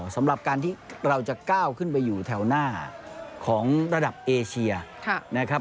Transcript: สำหรับการที่เราจะก้าวขึ้นไปอยู่แถวหน้าของระดับเอเชียนะครับ